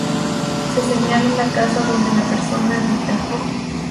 Se señala la casa donde la persona habita.